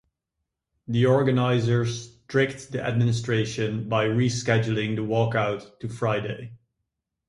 The organizers tricked the administration by rescheduling the walkout to Friday.